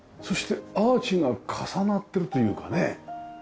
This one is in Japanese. そしてアーチが重なってるというかね。